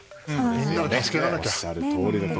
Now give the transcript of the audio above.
みんなで助け合わなきゃ。